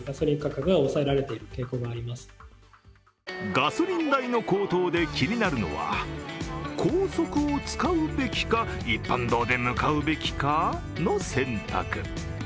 ガソリン代の高騰で気になるのは、高速を使うべきか一般道で向かうべきかの選択。